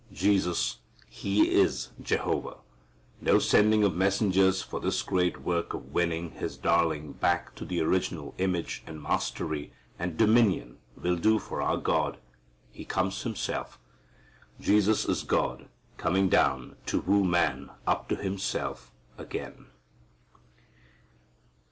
Jesus He is Jehovah. No sending of messengers for this great work of winning His darling back to the original image and mastery and dominion will do for our God. He comes Himself. Jesus is God coming down to woo man up to Himself again.